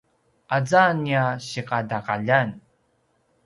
aza nia sikataqaljan